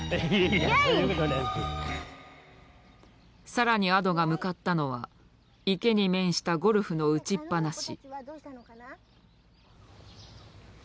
更に亜土が向かったのは池に面したゴルフの打ちっぱなし。